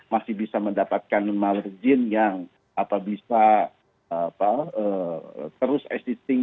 masih bisa mendapatkan margin yang bisa terus assisting